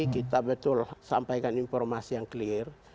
kita betul sampaikan informasi yang clear